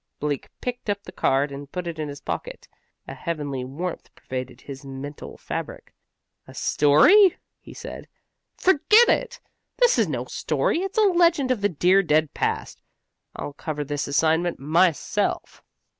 Bleak picked up the card and put it in his pocket. A heavenly warmth pervaded his mental fabric. "A story?" he said. "Forget it! This is no story. It's a legend of the dear dead past. I'll cover this assignment myself."